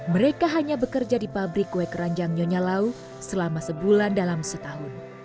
mereka hanya bekerja di pabrik kue keranjang nyonya lau selama sebulan dalam setahun